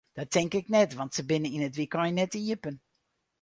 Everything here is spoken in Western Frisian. Dat tink ik net, want se binne yn it wykein net iepen.